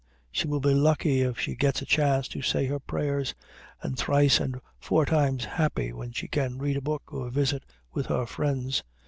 She will be lucky if she gets a chance to say her prayers, and thrice and four times happy when she can read a book or visit with her friends.